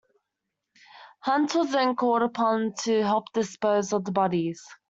Hunt was then called upon to help dispose of the bodies.